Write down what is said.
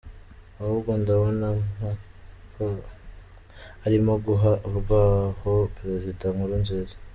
Ahubwo ndabona Mkapa arimo guha urwaho Perezida Nkurunziza.